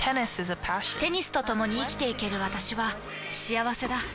テニスとともに生きていける私は幸せだ。